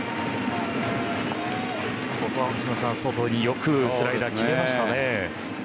ここは星野さん外によくスライダー決めましたね。